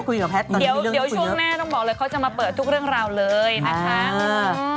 เดี๋ยวช่วงหน้าต้องบอกเลยเขาจะมาเปิดทุกเรื่องราวเลยนะคะ